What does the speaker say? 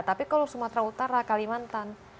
tapi kalau sumatera utara kalimantan